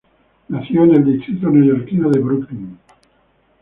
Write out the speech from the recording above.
Nació en el distrito neoyorquino de Brooklyn.